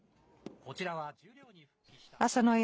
こちらは十両に復帰した朝乃山。